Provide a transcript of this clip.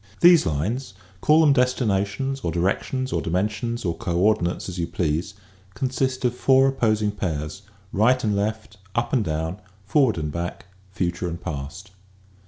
These lines — call them destinations or di rections or dimensions or coordinates as you please — consist of four opposing pairs, right and left, up and down, forward and back, future and past.